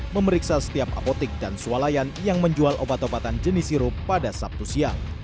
memeriksa setiap apotik dan sualayan yang menjual obat obatan jenis sirup pada sabtu siang